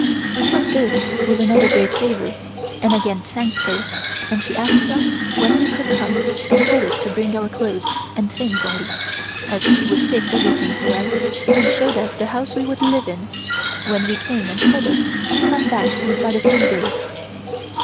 We thought this was another great favor and again thanked her, and she asked us when we could come and told us to bring our clothes and things only, as she would fix everything for us and showed us the house we would live in when we came and told us to come back inside of two days.